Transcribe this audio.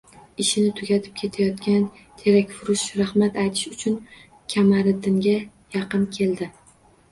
Ishini tugatib ketayotgan terakfurush rahmat aytish uchun Qamariddinga yaqin keldi